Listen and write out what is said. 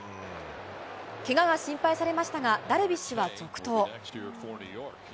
けがが心配されましたが、ダルビッシュは続投。